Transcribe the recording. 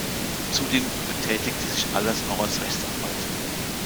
Zudem betätigte sich Allers auch als Rechtsanwalt.